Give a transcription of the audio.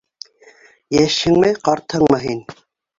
— Йәшһеңме, ҡартһыңмы һин?